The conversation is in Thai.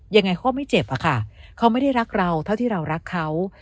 ยังไงเขาก็ไม่เจ็บอะค่ะเขาไม่ได้รักเราเท่าที่เรารักเขา